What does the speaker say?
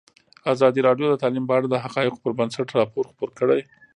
ازادي راډیو د تعلیم په اړه د حقایقو پر بنسټ راپور خپور کړی.